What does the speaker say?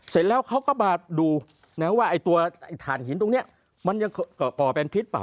เสร็จแล้วเขาก็มาดูนะว่าไอ้ตัวไอ้ถ่านหินตรงนี้มันยังก่อเป็นพิษเปล